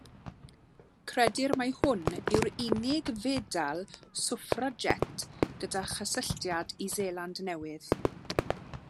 Credir mai hwn yw'r unig fedal swffragét gyda chysylltiad i Seland Newydd.